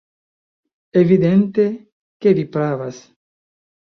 Evidente, ke vi pravas!